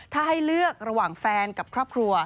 ถ้าให้เลือกระหว่างแฟนกับครอบครัว